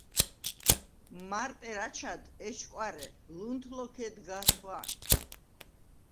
მარტ ერ აჩად, ესჭკვარე, ლუნთ ლოქ ედგა̄თვა̄ნ.